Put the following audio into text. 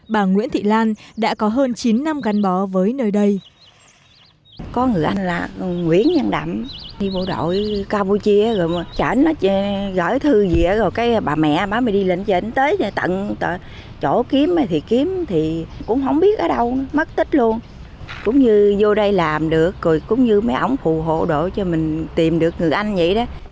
bà nguyễn thị lan đã có hơn chín năm gắn bó với nơi đây